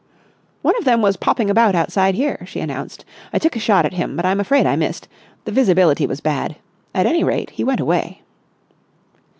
"One of them was popping about outside here," she announced. "I took a shot at him, but I'm afraid I missed. The visibility was bad. At any rate he went away."